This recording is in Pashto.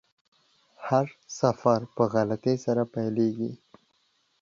هر سفر په غلطۍ سره پیل کیږي.